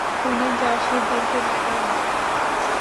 উনি যা সিদ্ধান্ত নেবার নিক।